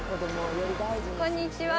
こんにちは。